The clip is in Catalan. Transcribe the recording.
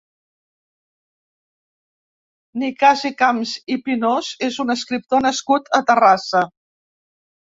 Nicasi Camps i Pinós és un escriptor nascut a Terrassa.